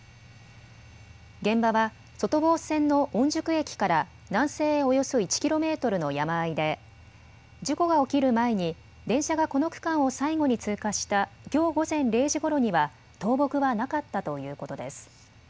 現場は外房線の御宿駅から南西へおよそ１キロメートルの山あいで事故が起きる前に電車がこの区間を最後に通過したきょう午前０時ごろには倒木はなかったということです。